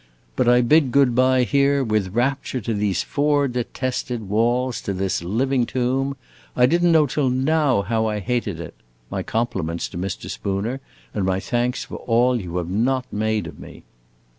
But I bid good by here, with rapture, to these four detested walls to this living tomb! I did n't know till now how I hated it! My compliments to Mr. Spooner, and my thanks for all you have not made of me!